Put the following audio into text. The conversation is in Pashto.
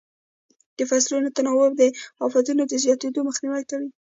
د فصلو تناوب د افتونو د زیاتېدو مخنیوی کوي.